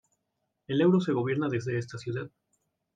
El euro se gobierna desde esta ciudad.